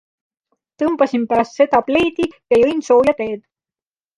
Tõmbasin pärast seda pleedi ja jõin sooja teed!